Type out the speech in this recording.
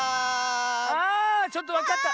あちょっとわかった。